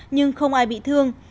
nhưng không ai bị thương